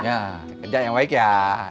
ya kerja yang baik ya